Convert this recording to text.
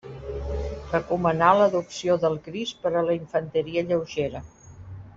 Recomanà l'adopció del gris per a la infanteria lleugera.